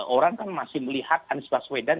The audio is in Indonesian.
orang kan masih melihat anies baswedan